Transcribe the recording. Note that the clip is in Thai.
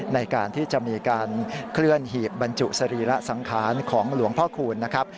ในการที่จะมีการเคลื่อนหีบบรรจุสรีระสังขารของหลวงพ่อคูณนะครับ